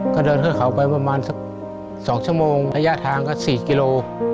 ก็เดินขึ้นเขาไปประมาณสัก๒ชั่วโมงระยะทางก็๔กิโล